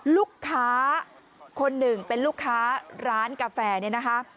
ลูกค้าคนหนึ่งเป็นลูกค้าร้านกาแฟเนี่ยนะคะ